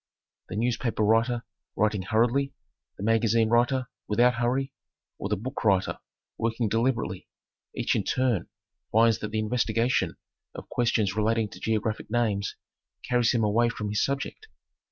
The newspaper writer writing hurriedly, the magazine writer without hurry, or the book writer working deliberately, each in turn finds that the investigation of questions relating to geographic names carries him away from his subject.